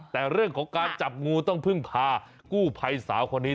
แต่เรื่องของการจับงูต้องพึ่งพากู้ภัยสาวคนนี้